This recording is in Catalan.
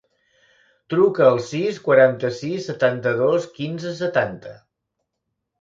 Truca al sis, quaranta-sis, setanta-dos, quinze, setanta.